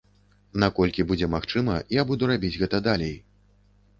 Наколькі будзе магчыма, я буду рабіць гэта далей.